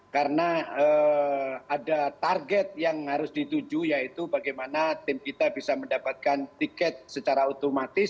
karena ada target yang harus dituju yaitu bagaimana tim kita bisa mendapatkan tiket secara otomatis